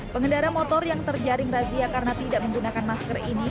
pengendara motor yang terjaring razia karena tidak menggunakan masker ini